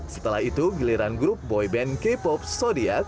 setelah itu giliran grup boy band k pop sodiak